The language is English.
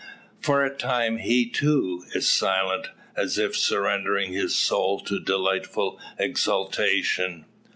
For a time he, too, is silent, as if surrendering his soul to delightful exultation.